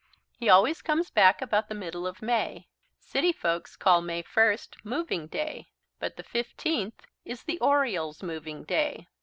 "He always comes back about the middle of May. City folks call May first 'Moving Day,' but the fifteenth is the Oriole's Moving Day."